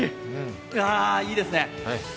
いいですね。